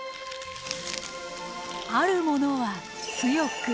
あるものは強く。